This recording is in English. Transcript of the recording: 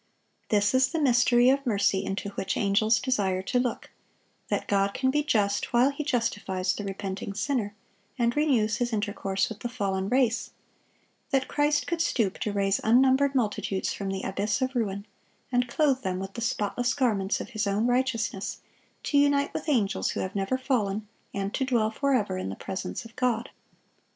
This is the mystery of mercy into which angels desire to look,—that God can be just while He justifies the repenting sinner, and renews His intercourse with the fallen race; that Christ could stoop to raise unnumbered multitudes from the abyss of ruin, and clothe them with the spotless garments of His own righteousness, to unite with angels who have never fallen, and to dwell forever in the presence of God.